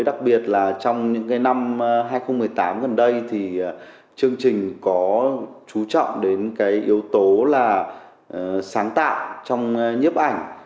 đặc biệt là trong những năm hai nghìn một mươi tám gần đây thì chương trình có chú trọng đến yếu tố sáng tạo trong nhiếp ảnh